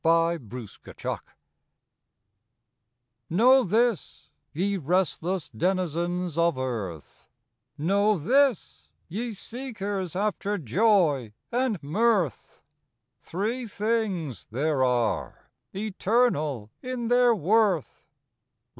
THREE THINGS Know this, ye restless denizens of earth, Know this, ye seekers after joy and mirth, Three things there are, eternal in their worth.